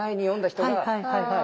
はいはいはいはい。